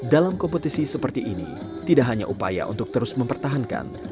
dalam kompetisi seperti ini tidak hanya upaya untuk terus mempertahankan